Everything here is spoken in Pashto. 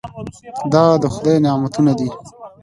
دا د خدای نعمتونه دي.